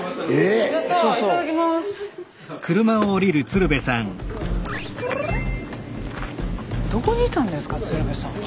スタジオどこにいたんですか鶴瓶さんは。